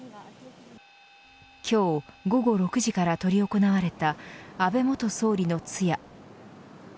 今日午後６時から執り行われた安倍元総理の通夜。